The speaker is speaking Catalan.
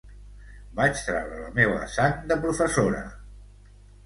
Vaig traure la meua sang de professora.